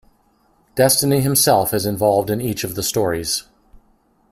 Destiny himself is involved in each of the stories.